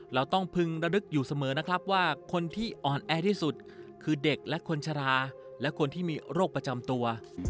เราต้องพึงระลึกอยู่เสมอนะครับว่าคนที่อ่อนแอที่สุดคือเด็กและคนชะลาและคนที่มีโรคประจำตัว